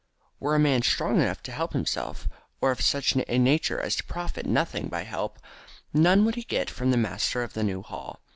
Were a man strong enough to help himself, or of such a nature as to profit nothing by help, none would he get from the master of the New Hall.